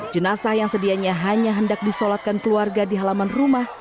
jenazah yang sedianya hanya hendak disolatkan keluarga di halaman rumah